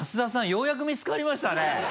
ようやく見つかりましたね。